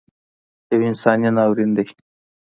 یو انساني ناورین دی